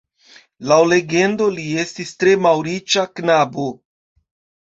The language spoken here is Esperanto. Laŭ legendo, li estis tre malriĉa knabo.